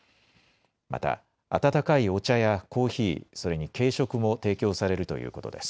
また温かいお茶やコーヒー、それに軽食も提供されるということです。